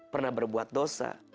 pernah berbuat dosa